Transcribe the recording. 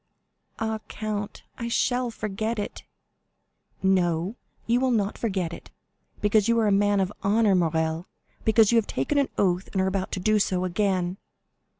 "Ah, count, I shall forget it." "No, you will not forget it, because you are a man of honor, Morrel, because you have taken an oath, and are about to do so again."